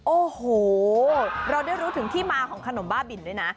โอ้โหเราได้รู้ถึงที่มาของขนมบ้าบินด้วยนะ